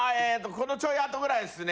このちょい後ぐらいですね